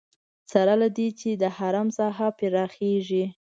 سره له دې چې د حرم ساحه پراخېږي.